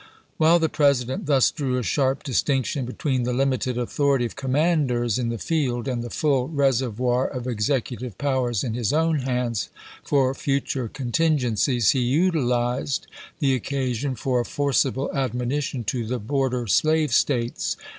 While the President thus drew a sharp distinc tion between the limited authority of commanders in the field and the full reservoir of executive powers in his own hands, for future contingencies, he utilized the occasion for a forcible admonition 1862. to the border slave States.